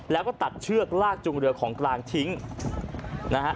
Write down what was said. แล้วก็ตัดเชือกลากจุงเรือของกลางทิ้งนะฮะ